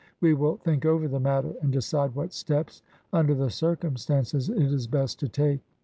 We will think over the matter, and decide what steps, under the circumstances, it is best to take.